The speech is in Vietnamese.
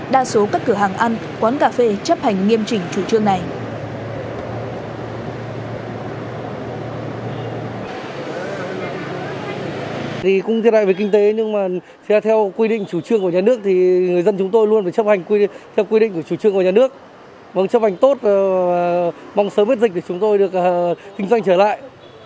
đa số các cửa hàng ăn quán cà phê chấp hành nghiêm trình chủ trương này